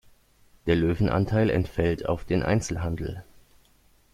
Der Löwenanteil entfällt auf den Einzelhandel.